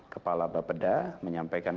kepala bapeda menyampaikan